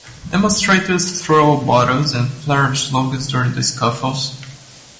Demonstrators threw bottles and flared slogans during the scuffles.